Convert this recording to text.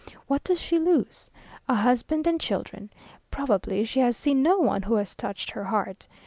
What does she lose? A husband and children? Probably she has seen no one who has touched her heart.